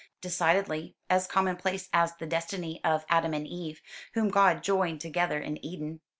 "Decidedly. As commonplace as the destiny of Adam and Eve, whom God joined together in Eden.